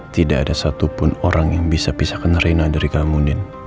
tidak ada satupun orang yang bisa pisahkan reina dari kamu nen